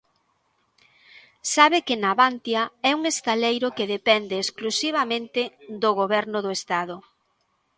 Sabe que Navantia é un estaleiro que depende exclusivamente do Goberno do Estado.